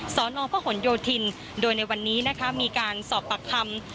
สนพหนโยธินโดยในวันนี้นะคะมีการสอบปากคำ